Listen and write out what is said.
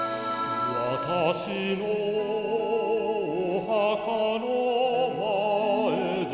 「私のお墓の前で」